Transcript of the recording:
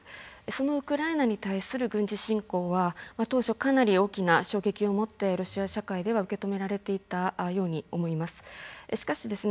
そのウクライナに対する軍事侵攻は当初、かなり大きな衝撃を持ってロシア社会では受け止められていたように思います。